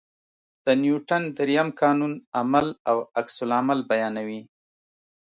د نیوټن درېیم قانون عمل او عکس العمل بیانوي.